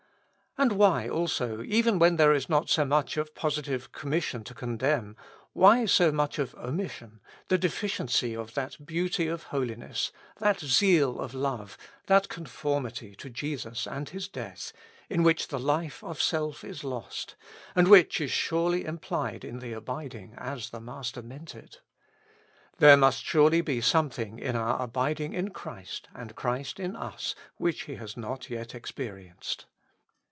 And why, also, even when there is not so much of positive commission to condemn, why so much of omission, the deficiency of that beauty of holiness, that zeal of love, that conformity to Jesus and His death, in which the life of self is lost, and which is surely implied in the abiding, as the Master meant it? There must surely be some thing in our abiding in Christ and Christ in us, which he has not yet experienced.